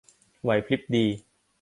ไหวพริบดี